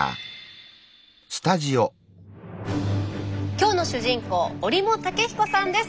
今日の主人公折茂武彦さんです。